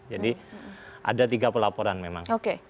jadi ada tiga pelaporan memang